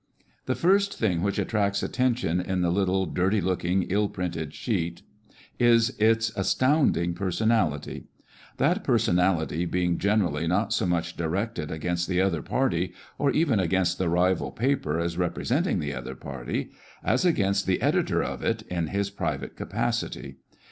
The first thing which attracts attention in the little dirty looking, ill printed sheet, is its as tounding personality; that personality being generally not so much directed against the other party, or even against the rival paper as representing the other party, as against the editor of it in his private capacity.